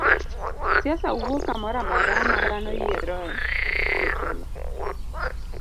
Siasa wuok kamoro amora ma dhano yiero e jotelo.